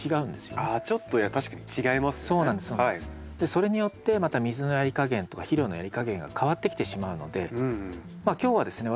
それによってまた水のやり加減とか肥料のやり加減が変わってきてしまうのでまあ今日はですね